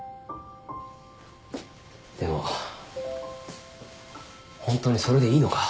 でもホントにそれでいいのか？